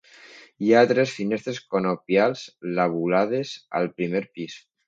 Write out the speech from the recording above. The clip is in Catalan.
Hi ha tres finestres conopials lobulades al primer pis.